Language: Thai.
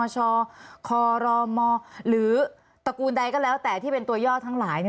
ชครมหรือตระกูลใดก็แล้วแต่ที่เป็นตัวย่อทั้งหลาย